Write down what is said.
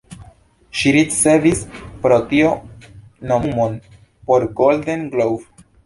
Ŝi ricevis pro tio nomumon por "Golden Globe".